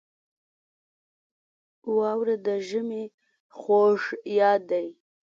• واوره د ژمي خوږ یاد دی.